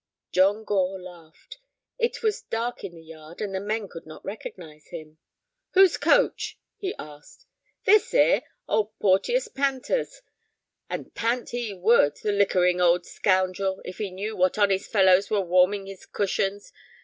John Gore laughed. It was dark in the yard, and the men could not recognize him. "Whose coach?" he asked. "This 'ere? Old Porteus Panter's. And pant he would, the liquoring old scoundrel, if he knew what honest fellows were warming his cushions.